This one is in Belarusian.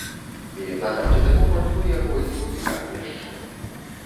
І на дадзены момант мы яго не выклікалі яшчэ.